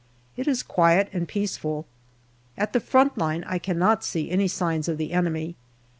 It is quiet and peaceful. At the front line I cannot see any signs of the enemy.